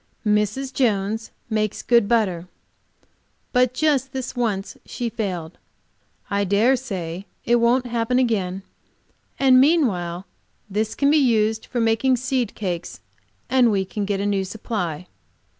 "Mrs. Jones makes good butter, but just this once she failed. I dare say it won't happen again, and mean while this can be used for making seed cakes, and we can get a new supply."